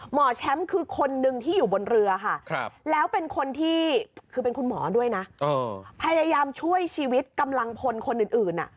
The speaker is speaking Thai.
หมอแชมป์คือคนนึงที่อยู่บนเรือค่ะแล้วเป็นคนที่คือเป็นคุณหมอด้วยนะพยายามช่วยชีวิตกำลังพลคนอื่น